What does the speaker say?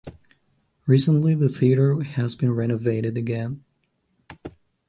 Recently the theatre has been renovated again.